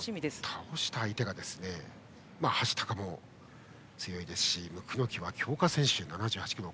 倒した相手が橋高も強いですし椋木は強化指定選手。